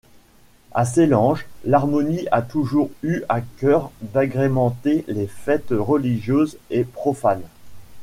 À Sélange, l’harmonie a toujours eu à cœur d’agrémenter les fêtes religieuses et profanes.